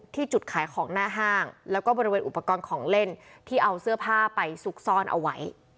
ที่จุดขายของหน้าห้างแล้วก็บริเวณอุปกรณ์ของเล่นที่เอาเสื้อผ้าไปซุกซ่อนเอาไว้